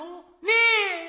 ねえ！？